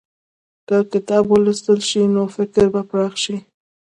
که کتاب ولوستل شي، نو فکر به پراخ شي.